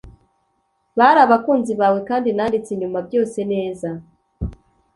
bari abakunzi bawe, kandi nanditse inyuma, byose 'neza,